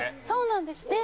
そうなんです。